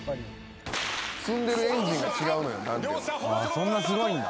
そんなすごいんだ。